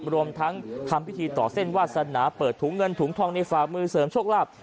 รวมทั้งทำพิธีต่อเส้นวาสนาเปิดถุงเงินถุงทองในฝ่ามือเสริมโชคลาภ